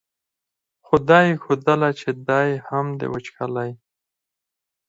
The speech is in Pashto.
خو دا یې ښودله چې دی هم د وچکالۍ.